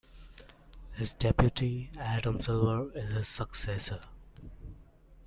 His deputy, Adam Silver, is his successor.